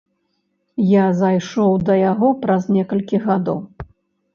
Я зайшоў да яго праз некалькі гадоў.